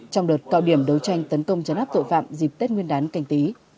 trong đợt cao điểm đấu tranh tấn công chấn áp tội phạm dịp tết nguyên đán cành tý